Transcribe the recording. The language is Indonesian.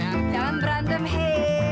jangan berantem hei